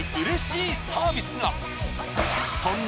そんな